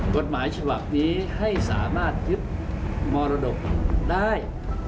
กฎหมายฉบับนี้ให้สามารถยึดมรดกได้